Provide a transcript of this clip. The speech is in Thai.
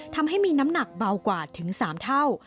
ทำให้มีน้ำหนักเบากว่าถึง๓เท่า